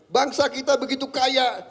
bangsa kita begitu kaya